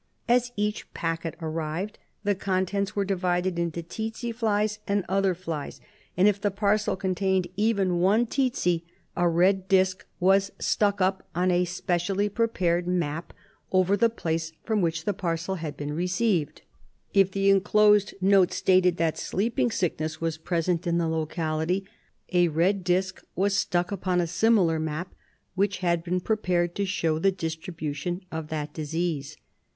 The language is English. As each packet arrived, the contents were divided into tsetse flies and other flies, and, if the parcel contained even 32 RESEARCH DEFENCE SOCIETY one tsetse, a red disc was stuck up on a specially prepared map over the place from which the parcel had been received. If the enclosed note stated that sleeping sickness was present in the locality, a red disc was stuck upon a similar map which had been prepared to show the distribution of that disease.